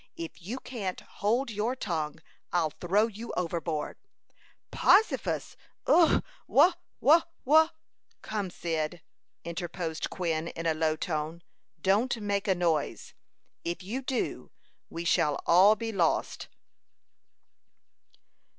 "If you can't hold your tongue, I'll throw you overboard!" "Possifus! Ugh! Wha wha wha " "Come, Cyd," interposed Quin, in a low tone, "don't make a noise. If you do, we shall all be lost."